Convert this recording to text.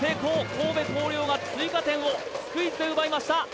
神戸弘陵が追加点をスクイズで奪いました